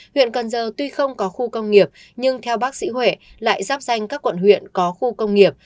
huyện cần giờ tuy không có khu công nghiệp nhưng theo bác sĩ huệ lại giáp danh các quận huyện có khu công nghiệp